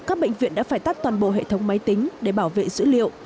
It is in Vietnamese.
các bệnh viện đã phải tắt toàn bộ hệ thống máy tính để bảo vệ dữ liệu